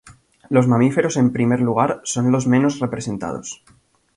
Los mamíferos en primer lugar, son los menos representados.